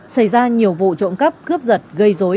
xảy ra nhiều vụ trộm cắp cướp giật gây dối